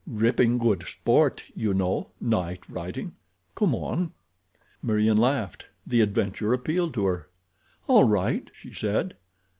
Ripping good sport, you know, night riding. Come on." Meriem laughed. The adventure appealed to her. "All right," she said.